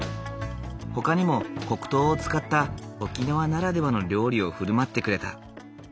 ほかにも黒糖を使った沖縄ならではの料理を振る舞ってくれた。